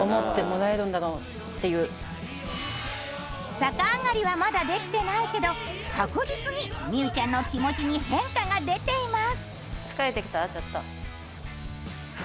逆上がりはまだできてないけど確実にみうちゃんの気持ちに変化が出ています。